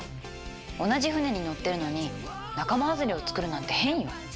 同じ船に乗ってるのに仲間外れを作るなんて変よ。